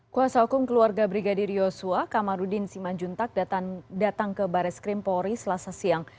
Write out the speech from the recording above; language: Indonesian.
kuasa hukum keluarga brigadir yosua kamarudin simanjuntak datang ke baris krimpori selasa siang